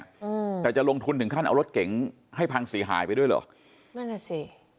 อืมแต่จะลงทุนถึงขั้นเอารถเก๋งให้พังเสียหายไปด้วยเหรอนั่นน่ะสิ